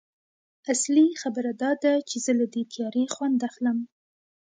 اصلي خبره دا ده چې زه له دې تیارې خوند اخلم